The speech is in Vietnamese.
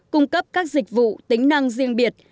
cung cấp các dịch vụ tính năng riêng biệt